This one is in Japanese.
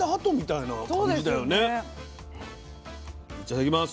いただきます。